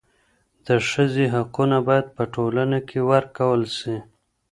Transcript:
د ښځي حقونه باید په ټولنه کي ورکول سي.